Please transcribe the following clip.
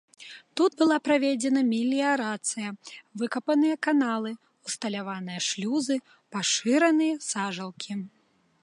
Тут была праведзена меліярацыя, выкапаныя каналы, усталяваныя шлюзы, пашыраныя сажалкі.